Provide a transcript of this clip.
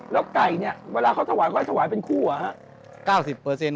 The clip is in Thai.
แล้วไก่เนี่ยเวลาเค้าถ่วยเค้าฝ่ายผมเป็นคู่ใช่ไหม